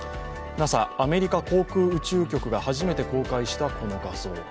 ＮＡＳＡ＝アメリカ航空宇宙局が初めて公開した、この画像。